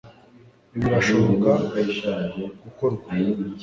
ibi birashobora gukorwa